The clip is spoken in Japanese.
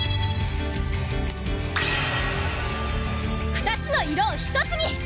２つの色を１つに！